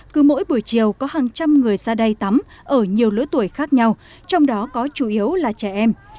cứ mỗi buổi chiều có hàng trăm người ra đây tắm ở nhiều lứa tuổi khác nhau trong đó có chủ yếu là trẻ em